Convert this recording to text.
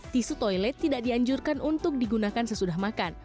tisu toilet tidak dianjurkan untuk digunakan sesudah makan